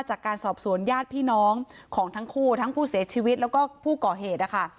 จากการสอบสวนญาติพี่น้องของทั้งคู่ทั้งผู้เสียชีวิตแล้วก็ผู้ก่อเหตุนะคะ